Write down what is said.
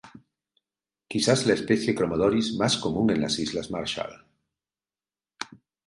Quizás la especie de "Chromodoris" más común en las islas Marshall.